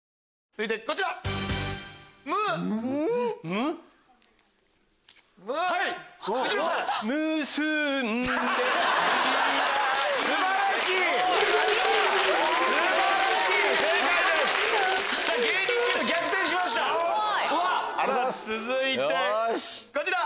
続いてこちら。